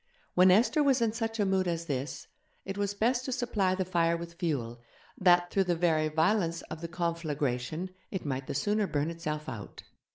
When Esther was in such a mood as this it was best to supply the fire with fuel, that, through the very violence of the conflagration, it might the sooner burn itself out.